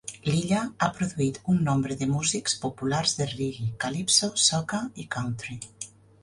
L'illa ha produït un nombre de músics populars de reggae, calypso, soca i country.